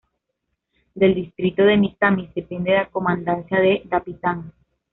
Del distrito de Misamis depende la comandancia de Dapitan.